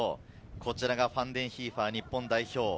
ファンデンヒーファー、日本代表。